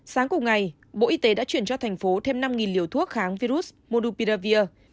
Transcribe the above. sáng cùng ngày bộ y tế đã chuyển cho thành phố thêm năm liều thuốc kháng virus mupiravir